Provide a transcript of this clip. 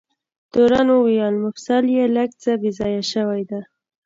تورن وویل: مفصل یې لږ څه بې ځایه شوی دی.